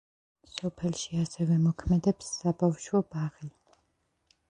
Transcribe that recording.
სოფელში ასევე მოქმედებს საბავშვო ბაღი.